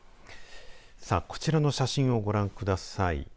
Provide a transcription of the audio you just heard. さあ、こちらの写真をご覧ください。